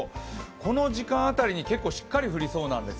この時間当たりにしっかり降りそうなんです。